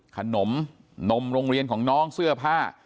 ขนมนมโรงเรียนของน้องเสื้อผ้า